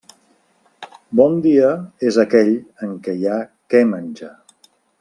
Bon dia és aquell en què hi ha què menjar.